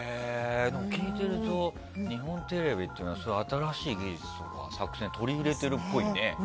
聞いていると日本テレビっていうのは新しい技術とか作戦を取り入れてるっぽいね。